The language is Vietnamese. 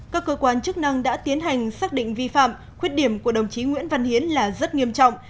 các cơ quan chức năng đã tiến hành xác định vi phạm khuyết điểm của đồng chí nguyễn văn hiến là rất nghiêm trọng